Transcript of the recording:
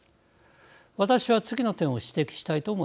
私は次の点を指摘したいと思います。